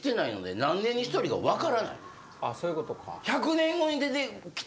そういうことか。